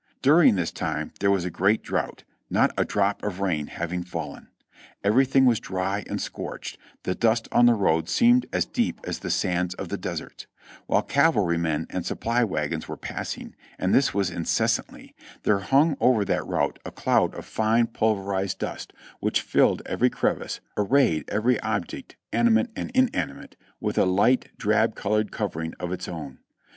During this time there was a great drouth, not a drop of rain having fallen. Everything was dry and scorched ; the dust on the road seemed as deep as the sands of the deserts ; while cavalrymen and supply wagons were passing, and this was incessantly, there hung over that route a cloud of fine pulverized A DUSTY CAMP 42$ dust which filled every crevice, arrayed every object, animate and inanimate, with a Hght drab colored covering of its own.